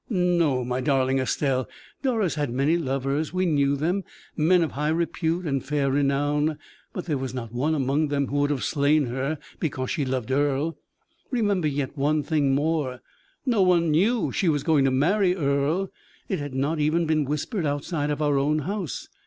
"No, my darling Estelle. Doris had many lovers we knew them men of high repute and fair renown; but there was not one among them who would have slain her because she loved Earle. Remember yet one thing more no one know she was going to marry Earle; it had not even been whispered outside of our own house.